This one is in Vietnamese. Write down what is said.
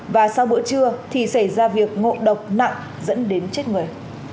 và sau bữa trưa thì xảy ra việc ngộ độc nặng dẫn đến chết người